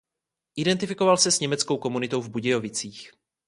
Identifikoval se s německou komunitou v Budějovicích.